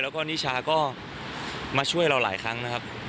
แล้วก็นิชาก็มาช่วยเราหลายครั้งนะครับ